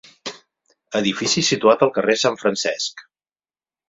Edifici situat al carrer Sant Francesc.